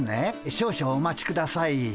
少々お待ちください。